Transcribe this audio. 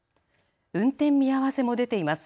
運転見合わせも出ています。